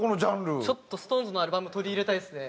ちょっとＳｉｘＴＯＮＥＳのアルバムも取り入れたいですね。